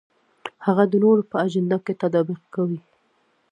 هغه د نورو په اجنډا کې تطابق کوي.